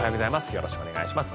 よろしくお願いします。